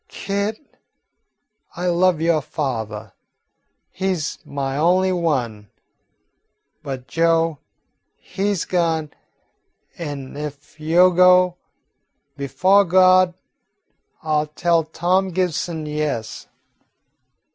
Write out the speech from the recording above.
Kit, I love yo' fathah; he 's my only one. But Joe, he 's gone, an' ef yo go, befo' Gawd I 'll tell Tawm Gibson yes."